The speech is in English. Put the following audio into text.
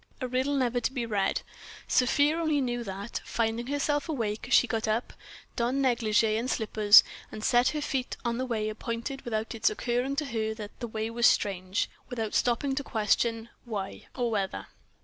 A riddle never to be read: Sofia only knew that, finding herself awake, she got up, donned négligée and slippers, and set her feet upon the way appointed without its occurring to her that the way was strange, without stopping to question why or whether.